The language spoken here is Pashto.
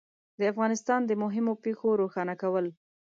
د افغانستان د مهمو پېښو روښانه کول